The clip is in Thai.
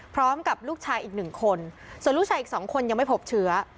พร้อมกับลูกชายอีกหนึ่งคนส่วนลูกชายอีก๒คนยังไม่พบเชื้อ